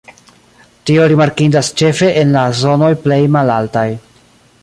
Tio rimarkindas ĉefe en la zonoj plej malaltaj.